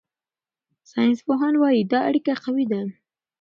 ساینسپوهان وايي دا اړیکه قوي ده.